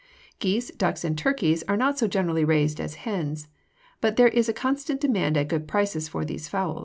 Geese, ducks, and turkeys are not so generally raised as hens, but there is a constant demand at good prices for these fowls.